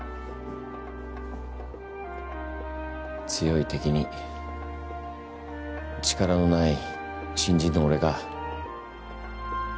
強い敵に力のない新人の俺が。